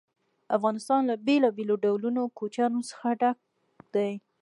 افغانستان له بېلابېلو ډولونو کوچیانو څخه ډک دی.